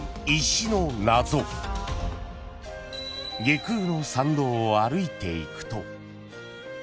［外宮の参道を歩いていくと］